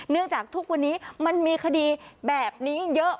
จากทุกวันนี้มันมีคดีแบบนี้เยอะ